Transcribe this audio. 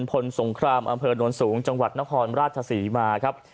พลสงครามอำเภอโน้นสูงจังหวัดนครราชศรีมาครับ